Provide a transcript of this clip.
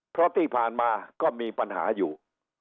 เพราะที่ผ่านมาก็มีปัญหาอยู่